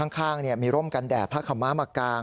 ข้างมีร่มกันแดดผ้าขาวม้ามากาง